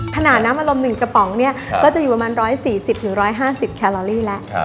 น้ำอารมณ์๑กระป๋องเนี่ยก็จะอยู่ประมาณ๑๔๐๑๕๐แคลอรี่แล้ว